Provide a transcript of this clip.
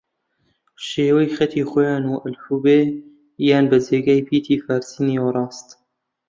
شێوەی خەتی خویان و ئەلفوبێ یان بە جێگای پیتی فارسی نێوەڕاست